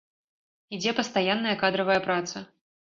Ідзе пастаянная кадравая праца.